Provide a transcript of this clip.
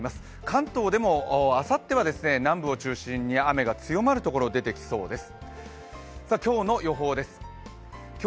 関東でもあさっては南部を中心に雨が強まるところが出てきそうです。